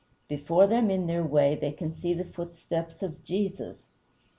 Before them in their way they can see the footsteps of Jesus.